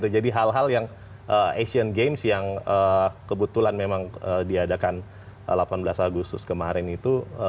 jadi hal hal yang asian games yang kebetulan memang diadakan delapan belas agustus kemarin itu